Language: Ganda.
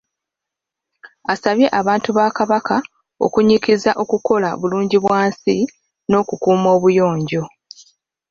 Asabye abantu ba Kabaka okunnyikiza okukola Bulungibwansi n'okukuuma obuyonjo.